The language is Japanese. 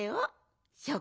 そう。